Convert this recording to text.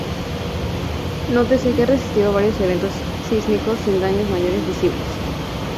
Nótese que ha resistido varios eventos sísmicos sin daños mayores visibles.